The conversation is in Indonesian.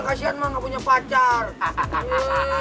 kasian mah gak punya pacar